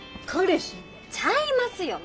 ちゃいますよ